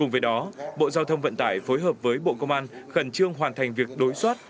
với đó bộ giao thông vận tải phối hợp với bộ công an khẩn trương hoàn thành việc đối soát